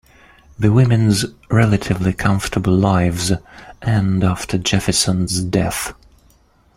The women's relatively comfortable lives end after Jefferson's death.